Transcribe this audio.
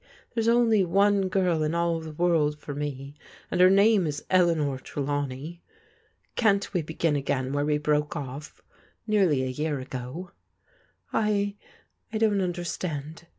There's only one girl in all the world for me, and her name is Eleanor Tre lawney. Can't we begin again where we broke oflf, nearly a year ago?" " I— I don't understand."